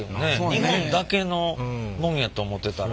日本だけのもんやと思ってたら。